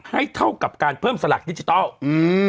เท่ากับการเพิ่มสลักดิจิทัลอืม